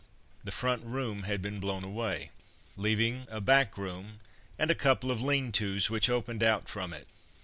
The front room had been blown away, leaving a back room and a couple of lean tos which opened out from it.